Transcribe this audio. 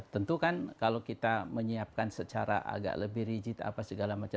tentu kan kalau kita menyiapkan secara agak lebih rigid apa segala macam